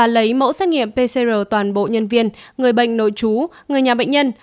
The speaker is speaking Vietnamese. lấy mẫu xét nghiệm pcr toàn bộ nhân viên người bệnh nội chú người nhà bệnh nhân